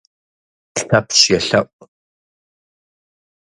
Лъэпщ елъэӀу.